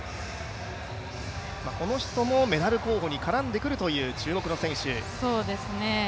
この人もメダル候補に絡んでくる、注目の選手。